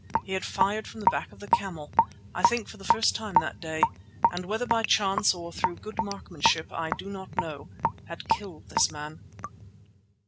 He had fired from the back of the camel, I think for the first time that day, and whether by chance or through good marksmanship, I do not know, had killed this man.